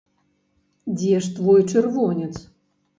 Дзе ж твой чырвонец?